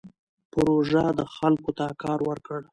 پروژه خلکو ته کار ورکړ.